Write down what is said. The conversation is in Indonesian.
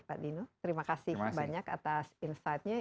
pak dino terima kasih banyak atas insightnya